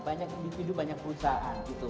banyak individu banyak perusahaan